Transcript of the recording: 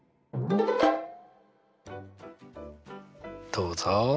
どうぞ。